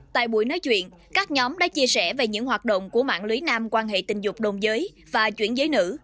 tại buổi nói chuyện các nhóm đã chia sẻ về những hoạt động của mạng lưới nam quan hệ tình dục đồng giới và chuyển giới nữ